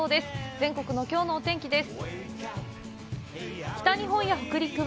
全国のきょうのお天気です。